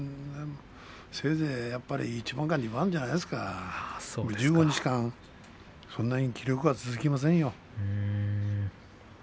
せいぜいやっぱり１番か２番じゃないですか１５日間、そんなに気力は続きませんよ。